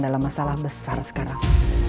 dalam masalah besar sekarang